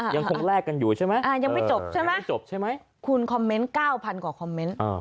ยังคงแลกกันอยู่ใช่ไหมยังไม่จบใช่ไหมคุณคอมเมนต์๙๐๐๐กว่าคอมเมนต์